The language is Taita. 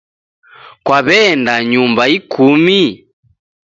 Kwaw'eenda nyumba ikumi?